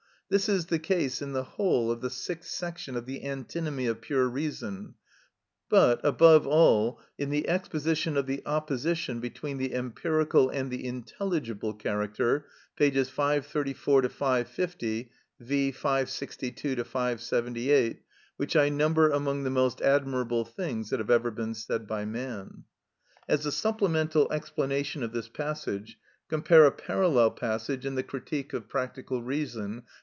This is the case in the whole of the "Sixth Section of the Antinomy of Pure Reason;" but, above all, in the exposition of the opposition between the empirical and the intelligible character, p. 534 550; V. 562 578, which I number among the most admirable things that have ever been said by man. (As a supplemental explanation of this passage, compare a parallel passage in the Critique of Practical Reason, p.